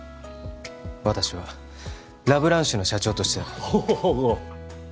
私はラ・ブランシュの社長として東郷